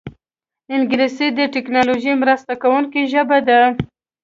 انګلیسي د ټیکنالوژۍ مرسته کوونکې ژبه ده